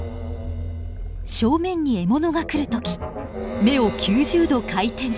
正面に獲物が来る時目を９０度回転。